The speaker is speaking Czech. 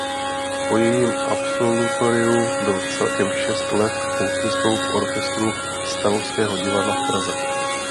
Po jejím absolutoriu byl celkem šest let houslistou v orchestru Stavovského divadla v Praze.